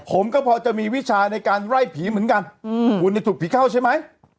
ผมก็พอจะมีวิชาในการไล่ผีเหมือนกันคุณถูกผีเข้าใช่ไหม